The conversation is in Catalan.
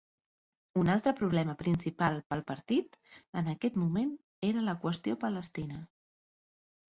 Un altre problema principal pel partit en aquest moment era la qüestió palestina.